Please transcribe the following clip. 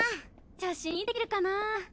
写真いつできるかなぁ？